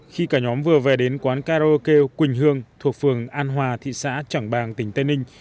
khi cả nhóm vừa về đến quán karaoke quỳnh hương thuộc phường an hòa thị xã trảng bàng tỉnh tây ninh